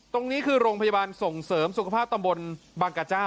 ตรงนี้คือโรงพยาบาลส่งเสริมสุขภาพตำบลบางกระเจ้า